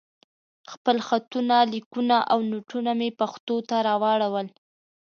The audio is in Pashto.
خپل خطونه، ليکونه او نوټونه مې پښتو ته راواړول.